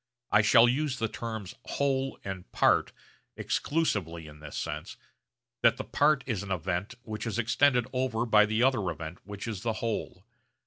I shall use the terms 'whole' and 'part' exclusively in this sense, that the 'part' is an event which is extended over by the other event which is the 'whole.'